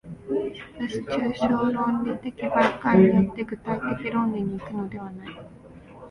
しかし抽象論理的媒介によって具体的論理に行くのではない。